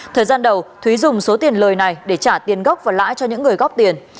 thời gian đầu thúy dùng số tiền lời này để trả tiền gốc và lãi cho những người góp tiền